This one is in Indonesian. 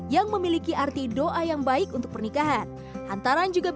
dan siap bertanggung jawab